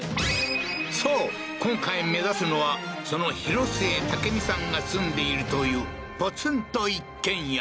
そう今回目指すのはそのヒロスエタケミさんが住んでいるというポツンと一軒家